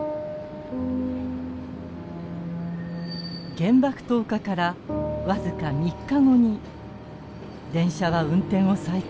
原爆投下から僅か３日後に電車は運転を再開。